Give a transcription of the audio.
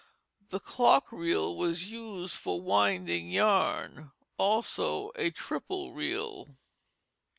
The clock reel was used for winding yarn, also a triple reel.